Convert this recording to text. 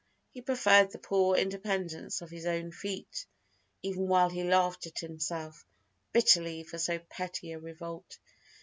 He preferred the poor independence of his own feet, even while he laughed at himself, bitterly, for so petty a revolt.